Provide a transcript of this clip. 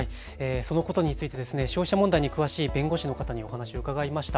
そのことについて消費者問題に詳しい弁護士の方にお話を伺いました。